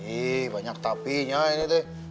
ih banyak tapi nya ini t